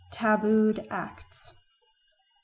Tabooed Acts 1.